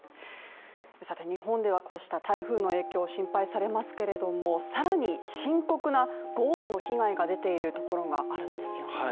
日本ではこうした台風の影響心配されますけれども、更に深刻な豪雨の被害が出ているところがあるんですよね。